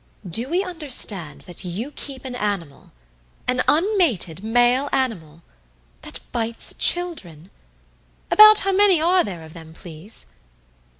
"Do we understand that you keep an animal an unmated male animal that bites children? About how many are there of them, please?"